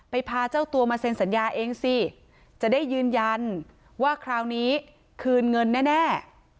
พาเจ้าตัวมาเซ็นสัญญาเองสิจะได้ยืนยันว่าคราวนี้คืนเงินแน่